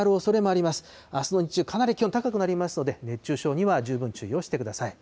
あすの日中、かなり気温高くなりますので、熱中症には十分注意をしてください。